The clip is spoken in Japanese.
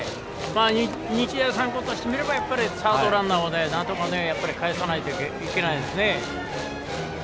日大三高としてみればサードランナーをなんとかかえさないといけません。